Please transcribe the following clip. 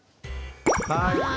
はい！